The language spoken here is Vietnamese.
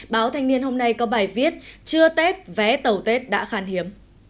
báo thanh niên hôm nay có bài viết chưa tết vé tàu tết đã khan hiếm